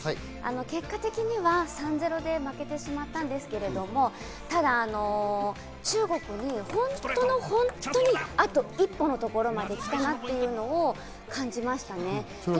結果的には、３対０で負けてしまったんですけれども、ただ中国に本当の本当にあと一歩のところまで来たなっていうのを感じましたね。